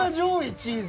チーズ。